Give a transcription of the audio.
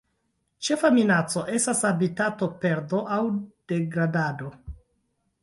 Ĉefa minaco estas habitatoperdo aŭ degradado.